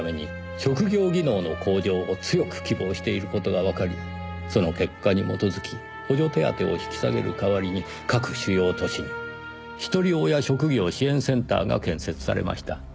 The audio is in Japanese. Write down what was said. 職業技能の向上を強く希望している事がわかりその結果に基づき補助手当を引き下げる代わりに各主要都市に一人親職業支援センターが建設されました。